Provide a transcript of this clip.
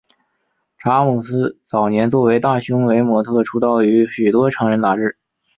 查姆斯早年作为大胸围模特出道于许多成人杂志。